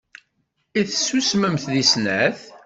I tessusmemt deg snat?